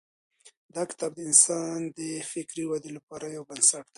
دا کتاب د انسان د فکري ودې لپاره یو بنسټ دی.